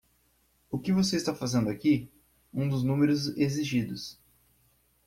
"O que você está fazendo aqui?" um dos números exigidos.